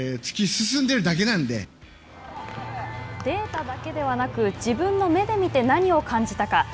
データだけではなく自分の目で見て何を感じたか。